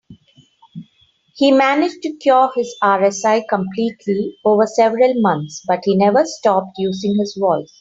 He managed to cure his RSI completely over several months, but he never stopped using his voice.